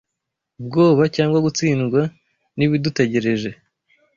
ubwoba cyangwa gutsindwa n’ibidutegereje?